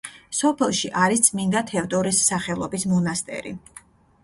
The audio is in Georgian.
სოფელში არის წმინდა თევდორეს სახელობის მონასტერი.